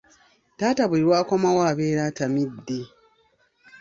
Taata buli lw'akomawo abeera atamidde.